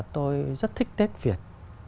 tôi rất thích tết việt